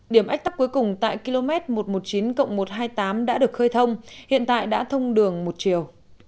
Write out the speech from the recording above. điểm ách tắc cuối cùng tại km một trăm một mươi chín một trăm hai mươi tám đã được khơi thông hiện tại đã thông đường một chiều